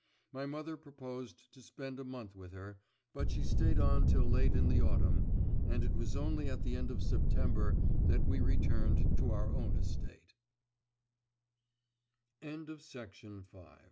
My mother proposed to spend a month with her, but she stayed on till late in the autumn, and it was only at the end of September that we returned t